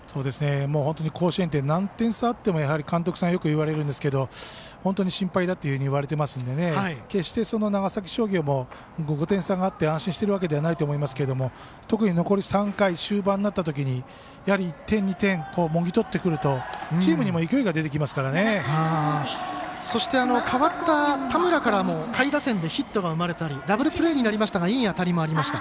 本当に甲子園って何点差あっても監督さんがよく言われるんですが本当に心配だと言われてますので決して長崎商業も５点差があって安心しているわけではないと思いますけれども特に残り３回、終盤になったとき１点、２点をもぎ取ってくるとチームにも代わった田村からの下位打線でヒットが生まれたりダブルプレーになりましたがいい当たりもありました。